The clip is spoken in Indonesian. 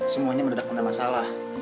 semuanya mendadakkan ada masalah